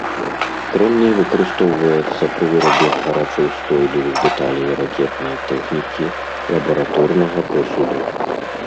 Крэмній выкарыстоўваецца пры вырабе гарачаўстойлівых дэталей ракетнай тэхнікі, лабараторнага посуду.